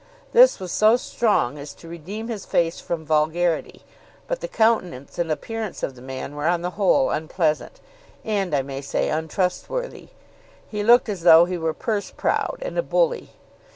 This was so strong as to redeem his face from vulgarity; but the countenance and appearance of the man were on the whole unpleasant, and, I may say, untrustworthy. He looked as though he were purse proud and a bully.